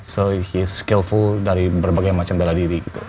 so is skillful dari berbagai macam bela diri gitu